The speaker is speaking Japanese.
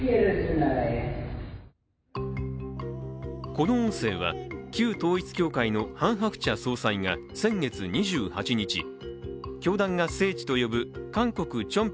この音声は、旧統一教会のハン・ハクチャ総裁が先月２８日、教団が聖地と呼ぶ韓国・チョン